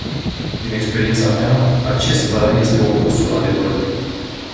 Din experiența mea, acesta este opusul adevărului.